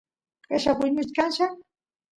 qella puñuchkanlla